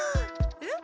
えっ？